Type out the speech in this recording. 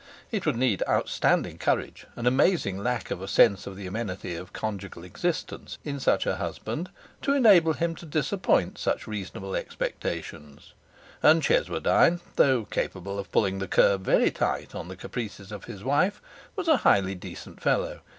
It would need an astounding courage, an amazing lack of a sense of the amenity of conjugal existence in such a husband to enable him to disappoint such reasonable expectations. And Cheswardine, though capable of pulling the curb very tight on the caprices of his wife, was a highly decent fellow.